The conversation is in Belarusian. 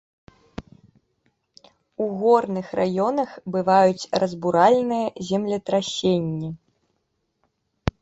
У горных раёнах бываюць разбуральныя землетрасенні.